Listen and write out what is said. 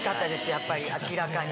やっぱり明らかに。